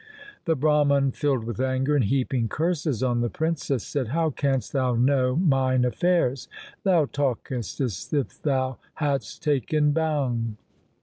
The Brahman filled with anger and heaping curses on the princess, said, ' How canst thou know mine affairs ? Thou talkest as if thou hadst taken bhang.'